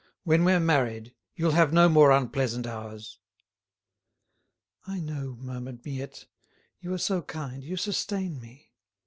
"When we're married you'll have no more unpleasant hours." "I know," murmured Miette. "You are so kind, you sustain me.